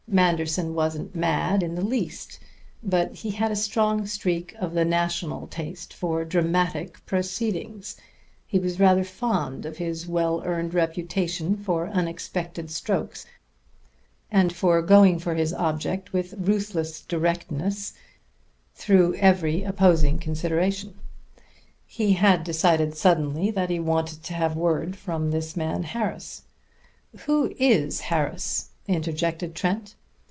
Manderson wasn't mad in the least, but he had a strong streak of the national taste for dramatic proceedings; he was rather fond of his well earned reputation for unexpected strokes and for going for his object with ruthless directness through every opposing consideration. He had decided suddenly that he wanted to have word from this man Harris " "Who is Harris?" interjected Trent.